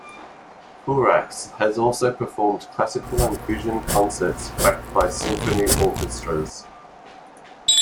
Koorax has also performed classical and fusion concerts backed by Symphony Orchestras.